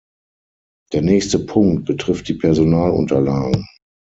Der nächste Punkt betrifft die Personalunterlagen.